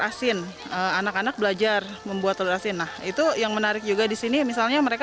asin anak anak belajar membuat telur asin nah itu yang menarik juga disini misalnya mereka